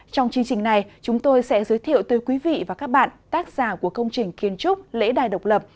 trong chương trình này chúng tôi sẽ giới thiệu tới quý vị và các bạn tác giả của công trình kiến trúc lễ đài độc lập